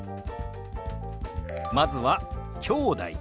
まずは「きょうだい」。